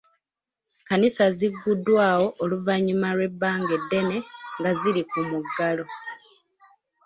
Kkanisa zigguddwawo oluvannyuma lw'ebbanga eddene nga ziri ku muggalo.